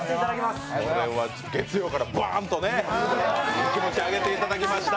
月曜からバンと気持ちを上げていただきました。